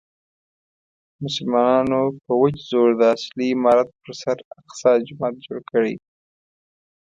مسلمانانو په وچ زور د اصلي عمارت پر سر اقصی جومات جوړ کړی.